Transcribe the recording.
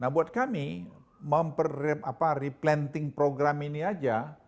nah buat kami memper replanting program ini aja